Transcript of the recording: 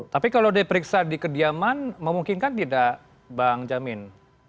tapi kalau diperiksa di kediaman memungkinkan tidak bang jamin